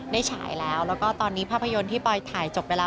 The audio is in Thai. ฉายแล้วแล้วก็ตอนนี้ภาพยนตร์ที่ปอยถ่ายจบไปแล้ว